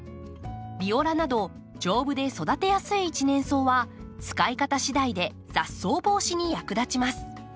ビオラなど丈夫で育てやすい一年草は使い方しだいで雑草防止に役立ちます。